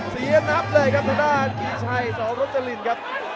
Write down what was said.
เสียนับเลยครับสดานกิจฉัย๒รถจริงครับ